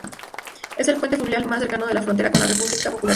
Es el puerto fluvial más cercano a la frontera con la República Popular China.